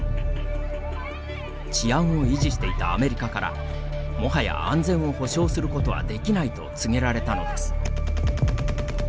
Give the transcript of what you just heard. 治安を維持していたアメリカからもはや安全を保証することはできないと告げられたのです。